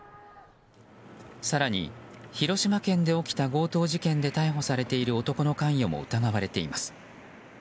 更に、広島県で起きた強盗事件で逮捕されている男の関与も疑われています。